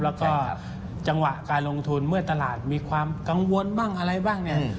แล้วก็จังหวะการลงทุนเมื่อตลาดมีความกังวลบ้างอะไรบ้างเนี่ย